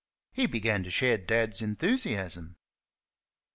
He began to share Dad's enthusiasm.